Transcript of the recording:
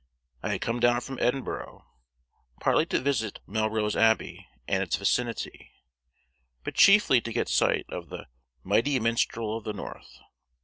I had come down from Edinburgh, partly to visit Melrose Abbey and its vicinity, but chiefly to get sight of the "mighty minstrel of the north."